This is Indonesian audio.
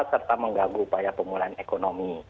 serta mengganggu upaya pemulihan ekonomi